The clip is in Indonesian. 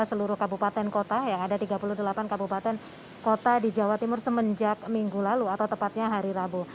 seluruh kabupaten kota yang ada tiga puluh delapan kabupaten kota di jawa timur semenjak minggu lalu atau tepatnya hari rabu